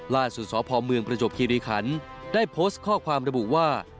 สพเมืองประจบคิริขันได้โพสต์ข้อความระบุว่า